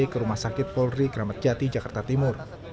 ke rumah sakit polri gramatjati jakarta timur